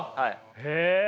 へえ。